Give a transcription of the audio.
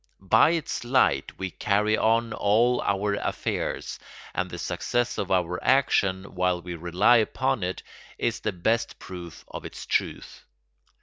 By its light we carry on all our affairs, and the success of our action while we rely upon it is the best proof of its truth.